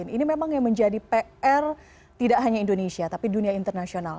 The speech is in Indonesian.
ini memang yang menjadi pr tidak hanya indonesia tapi dunia internasional